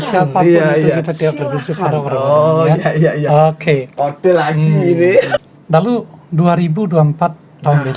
siapa pun itu kita tidak tertuju pada orang lain